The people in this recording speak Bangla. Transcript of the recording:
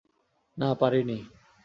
না, পারিনি।